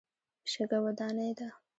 شګه وداني ده.